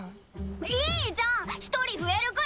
いいじゃん１人増えるくらい！